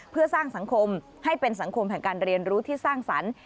เพื่อสร้างสังคมให้เป็นสังคมแห่งการเรียนรู้ที่สร้างสรรค์